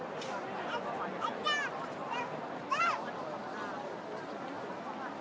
นี่ดูไว้ที่สุดค่ะ